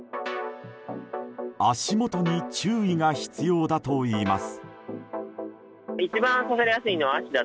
足元に注意が必要だといいます。